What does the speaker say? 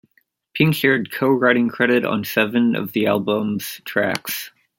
Pink shared co-writing credit on seven of the album's tracks.